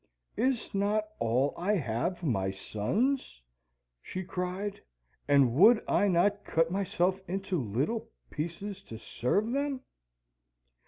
"Is not all I have my sons'?" she cried, "and would I not cut myself into little pieces to serve them?